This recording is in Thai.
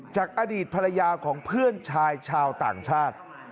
จากอดีตภรรยาของเพื่อนชายชาวต่างชาติ